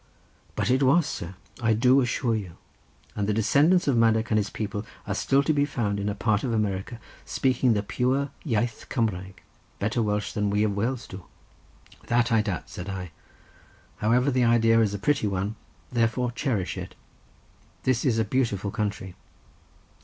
"But it was, sir, I do assure you, and the descendants of Madoc and his people are still to be found in a part of America speaking the pure iaith Cymraeg better Welsh than we of Wales do." "That I doubt," said I. "However, the idea is a pretty one; therefore cherish it. This is a beautiful country."